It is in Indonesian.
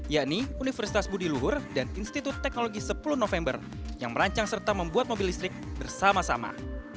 yakni universitas budi luhur dan institut teknologi sepuluh november yang merancang serta membuat mobil listrik bersama sama